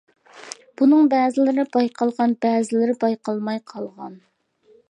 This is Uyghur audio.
بۇنىڭ بەزىلىرى بايقالغان، بەزىلىرى بايقالماي قالغان.